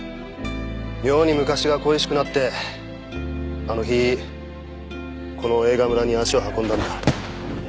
妙に昔が恋しくなってあの日この映画村に足を運んだんだ。